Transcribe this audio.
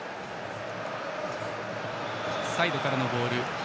サイドからのボール。